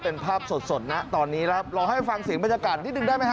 เป็นภาพสดสดนะตอนนี้ครับรอให้ฟังเสียงบรรยากาศนิดนึงได้ไหมฮ